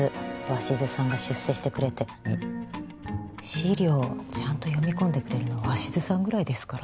資料ちゃんと読み込んでくれるの鷲津さんぐらいですから。